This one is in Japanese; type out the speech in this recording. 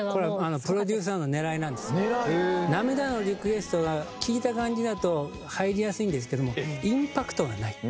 『涙のリクエスト』は聴いた感じだと入りやすいんですけどもインパクトがない。